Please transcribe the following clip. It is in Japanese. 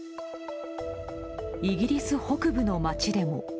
イギリス北部の街でも。